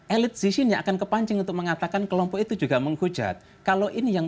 elit sisinya akan kepancing untuk mengatakan kelompok itu juga menghujat kalau ini yang